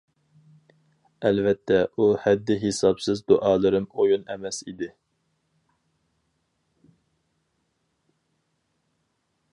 ئەلۋەتتە ئۇ ھەددى-ھېسابسىز دۇئالىرىم ئويۇن ئەمەس ئىدى.